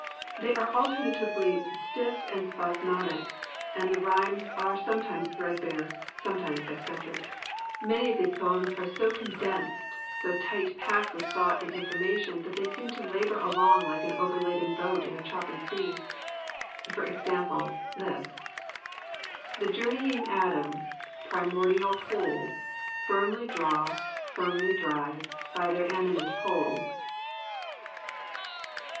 They are alternately stiff and spasmodic, and the rhymes are sometimes threadbare, sometimes eccentric. M5 COMPANIONABLE BOOKS Many of his poems are so condensed, so tight packed with thought and information that they seem to labour along like an overladen boat in a choppy sea. For example, this: "The journeying atoms. Primordial wholes. Firmly draw, firmly drive. By their animate poles."